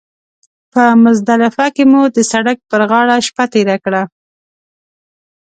په مزدلفه کې مو د سړک پر غاړه شپه تېره کړه.